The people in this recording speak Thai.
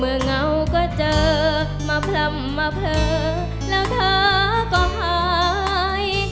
เงาก็เจอมาพร่ำมาเผลอแล้วเธอก็หาย